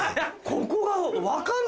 ここが。